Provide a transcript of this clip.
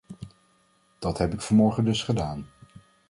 Dat heb ik vanmorgen dus gedaan.